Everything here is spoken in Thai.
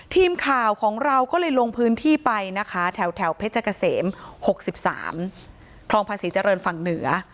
ทีมข่าวของเราก็เลยลงพื้นที่ไปนะคะแถวเพชรเกษม๖๓คลองภาษีเจริญฝั่งเหนือ